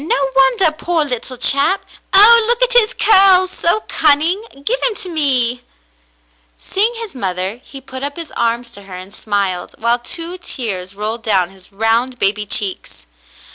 No wonder, poor little chap !"—" Oh, look at his curls — so cunning — give him to me." 286 The Mountain Girl Seeing his mother, he put up his arms to her and smiled, while two tears rolled down his round baby cheeks.